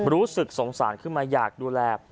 รู้สึกสงสารขึ้นมาอยากดูแล